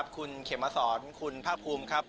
คุณเขมสรคุณภาคภูมิ